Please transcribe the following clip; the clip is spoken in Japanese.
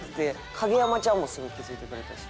影山ちゃんもすぐ気付いてくれたし。